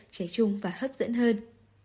trẻ trung và hấp dẫn hơn